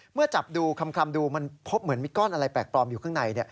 เมื่อจับดูคำดูมันพบเหมือนมีก้อนอะไรแปลกปลอมอยู่ข้างใน